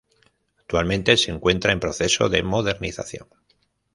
Actualmente se encuentra en proceso de modernización.